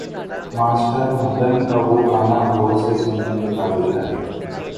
Master Madan کا وہ گانا غور سے سننے کے قابل ہے۔